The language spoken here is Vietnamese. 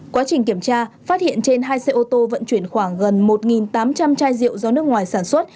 quá trình kiểm tra phát hiện trên hai xe ô tô vận chuyển khoảng gần một tám trăm linh chai rượu do nước ngoài sản xuất